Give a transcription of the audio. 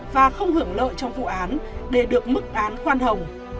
và không hưởng lợi trong vụ án để được mức đán quan hồng